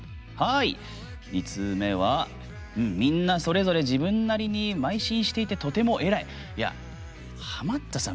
２通目はみんなそれぞれ、自分なりにまい進していて、とても偉いハマったさん